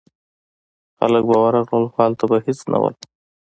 خلک به ورغلل خو هلته به هیڅ نه و.